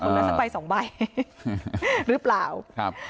ละสักใบสองใบหรือเปล่าครับ